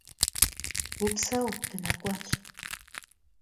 Vupseu, dınek'uenş.